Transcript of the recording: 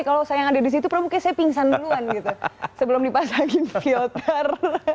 kalau saya yang ada di situ pramukanya saya pingsan duluan gitu sebelum dipasangin filter